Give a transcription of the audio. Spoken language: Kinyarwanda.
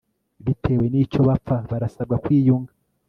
bitewe n'icyo bapfa barasabwa kwiyunga